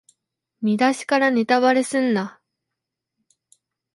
見だしからネタバレすんな